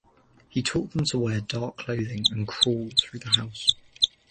He taught them to wear dark clothing and "crawl" through the house.